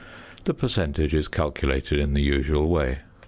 The percentage is calculated in the usual way.